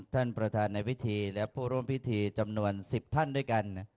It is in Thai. ท่านประธานในวิธีและผู้ร่วมพิธีจำนวน๑๐ท่านด้วยกัน